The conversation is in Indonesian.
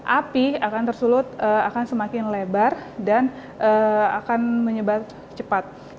api akan tersulut akan semakin lebar dan akan menyebar cepat